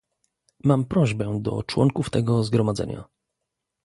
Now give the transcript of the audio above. Mam prośbę do członków tego Zgromadzenia